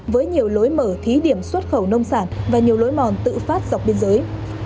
với nhiều lối mở thí điểm xuất khẩu nông sản và nhiều lối mòn tự phát dọc biên giới